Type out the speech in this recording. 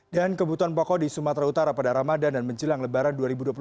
kebutuhan pokok di sumatera utara pada ramadan dan menjelang lebaran dua ribu dua puluh tiga